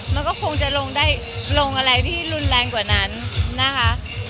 มันก็คงจะลงได้ลงอะไรที่รุนแรงกว่านั้นนะคะ